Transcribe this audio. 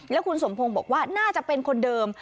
แล้วคุณสมพงศ์บอกว่าน่าจะเป็นคนเดิม